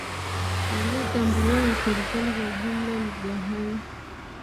Yaliyotambuliwa na serikali kwa jumla lugha hai